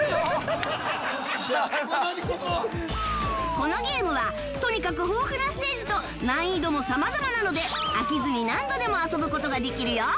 このゲームはとにかく豊富なステージと難易度も様々なので飽きずに何度でも遊ぶ事ができるよ